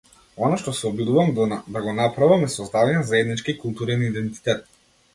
Она што се обидувам да го направам е создавање заеднички културен идентитет.